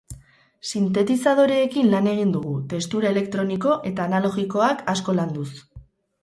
Sintetizadoreekin lan egin dugu, testura elektroniko eta analogikoak asko landuz.